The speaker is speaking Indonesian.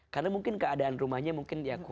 karena mungkin keadaan rumahnya mungkin ya kurang gitu